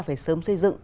phải sớm xây dựng